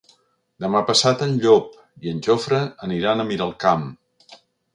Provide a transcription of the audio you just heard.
Demà passat en Llop i en Jofre aniran a Miralcamp.